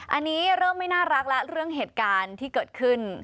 อันนี้เริ่มไม่น่ารักแล้วเรื่องเหตุการณ์ที่เกิดขึ้น